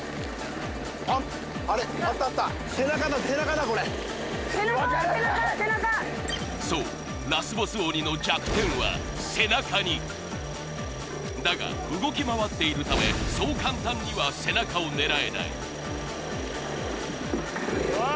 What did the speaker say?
あっあれあったあったそうラスボス鬼の弱点は背中にだが動き回っているためそう簡単には背中を狙えないうわ